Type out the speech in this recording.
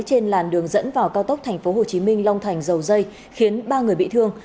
trên làn đường dẫn vào cao tốc tp hcm long thành dầu dây khiến ba người bị thương